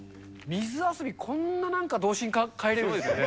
水遊び、こんななんか童心にかえれるんですね。